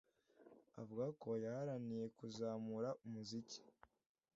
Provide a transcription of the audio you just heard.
avuga ko yaharaniye kuzamura umuziki